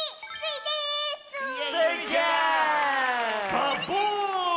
サボーン！